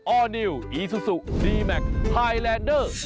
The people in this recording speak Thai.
ออร์นิวอีซูซูดีแม็กซ์ไฮแลนเดอร์